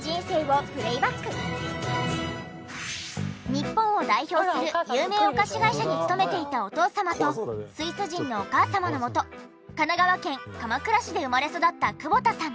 日本を代表する有名お菓子会社に勤めていたお父様とスイス人のお母様のもと神奈川県鎌倉市で生まれ育った久保田さん。